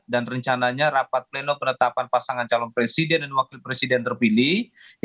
dan rencananya rapat pleno penetapan pasangan calon presiden dan wakil presiden terpilih